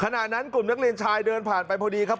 ขณะนั้นกลุ่มนักเรียนชายเดินผ่านไปพอดีครับ